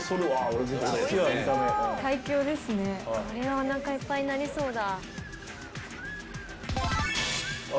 これはおなかいっぱいになりそうだ。